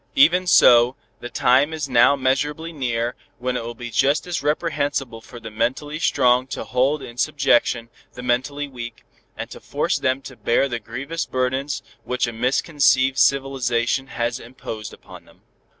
_Even so, the time is now measurably near when it will be just as reprehensible for the mentally strong to hold in subjection the mentally weak, and to force them to bear the grievous burdens which a misconceived civilization has imposed upon them."